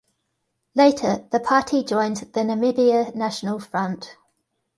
Later, the party joined the Namibia National Front.